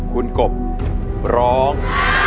คุณกบร้อง